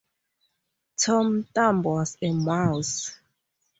Tom Thumb was a mouse.